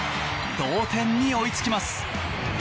同点に追いつきます。